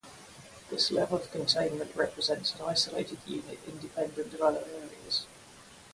This level of containment represents an isolated unit independent of other areas.